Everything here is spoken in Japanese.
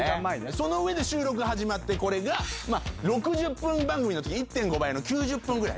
その上で収録が始まって６０分番組の時１．５倍の９０分ぐらい。